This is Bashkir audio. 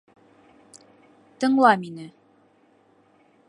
Тыңла мине.